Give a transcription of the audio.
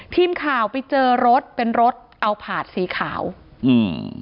ทีมข่าวไปเจอรถเป็นรถเอาผาดสีขาวอืม